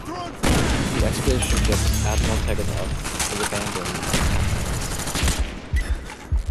The expedition's ship "Admiral Tegetthoff" was abandoned in the pack ice.